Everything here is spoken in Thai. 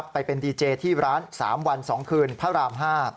ไปเป็นดีเจที่ร้าน๓วัน๒คืนพระราม๕